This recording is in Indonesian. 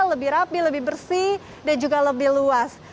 lebih rapi lebih bersih dan juga lebih luas